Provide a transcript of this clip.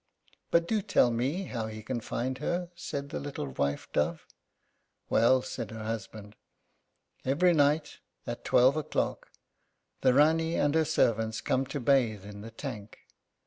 "But do tell me how he can find her," said the little wife dove. "Well," said her husband, "every night, at twelve o'clock, the Rání and her servants come to bathe in the tank.